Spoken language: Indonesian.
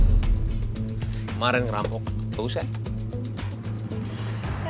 kemarin ngerampok tuh shay